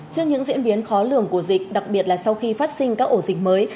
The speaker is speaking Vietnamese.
trước những diễn biến khó lường của dịch đặc biệt là sau khi phát sinh các ổ dịch mới